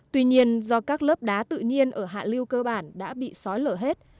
tuy nhiên do các lớp đá tự nhiên ở hạ lưu cơ bản đã bị xói lỡ hết